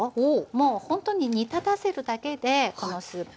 もうほんとに煮立たせるだけでこのスープができますから。